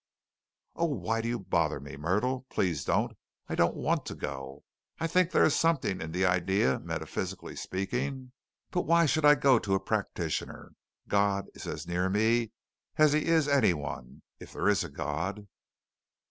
"Oh, why do you bother me, Myrtle? Please don't. I don't want to go. I think there is something in the idea metaphysically speaking, but why should I go to a practitioner? God is as near me as He is anyone, if there is a God."